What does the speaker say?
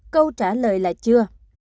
câu trả lời là chưa